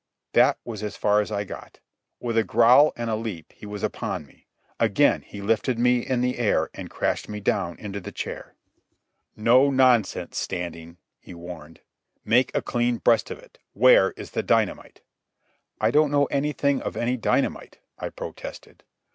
That was as far as I got. With a growl and a leap he was upon me. Again he lifted me in the air and crashed me down into the chair. "No nonsense, Standing," he warned. "Make a clean breast of it. Where is the dynamite?" "I don't know anything of any dynamite," I protested.